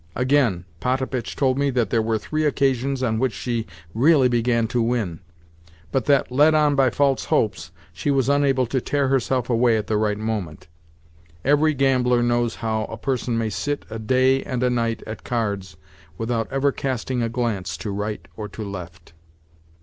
Again, Potapitch told me that there were three occasions on which she really began to win; but that, led on by false hopes, she was unable to tear herself away at the right moment. Every gambler knows how a person may sit a day and a night at cards without ever casting a glance to right or to left.